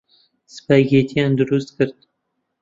سپاگێتییان دروست کرد.